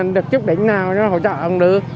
được chúc đỉnh nào nó hỗ trợ cũng được